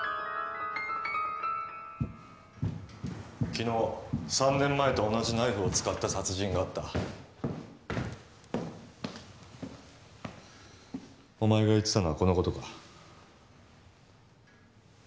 昨日３年前と同じナイフを使った殺人があったお前が言ってたのはこのことか？